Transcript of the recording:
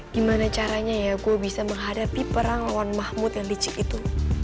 gimana caranya ya gue bisa menghadapi perang lawan mahmud yang licik itu